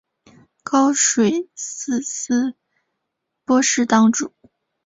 高水寺斯波氏当主。